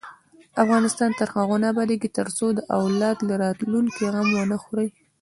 افغانستان تر هغو نه ابادیږي، ترڅو د اولاد د راتلونکي غم ونه خورئ.